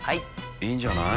いいんじゃない？